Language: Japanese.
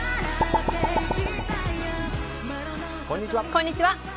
こんにちは。